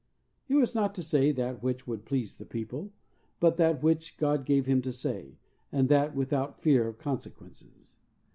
He was not to say that which would please the people, but that which God gave him to say, and that without fear of consequences.